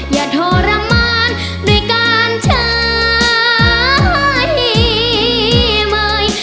อย่าทรมานด้วยการชาย